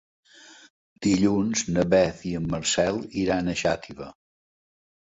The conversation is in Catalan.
Dilluns na Beth i en Marcel iran a Xàtiva.